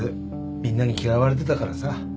みんなに嫌われてたからさ。